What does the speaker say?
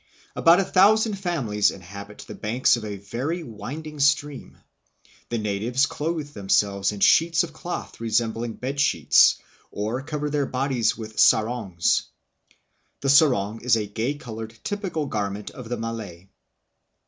About a thousand families inhabit the banks of a very winding stream. The natives clothe themselves in sheets of cloth resembling bed sheets, or cover their bodies with sarongs. (The sarong is the gay colored, typical garment of the Malay.)